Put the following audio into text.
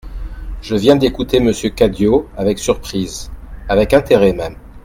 Je viens d'écouter Monsieur Cadio avec surprise, avec intérêt même.